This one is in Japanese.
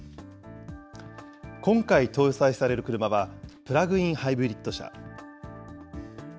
今回、搭載される車はプラグインハイブリッド車。